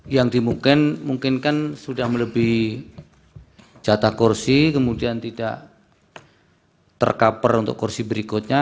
yang dimungkin mungkin kan sudah melebihi jatah kursi kemudian tidak ter cover untuk kursi berikutnya